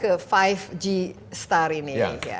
ke lima g star ini